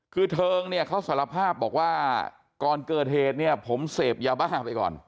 คือเทิงเนี่ยเขาสารภาพบอกว่าก่อนเกิดเหตุเนี่ยผมเสพยาบ้าไปก่อน